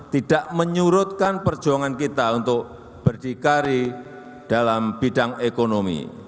tidak menyurutkan perjuangan kita untuk berdikari dalam bidang ekonomi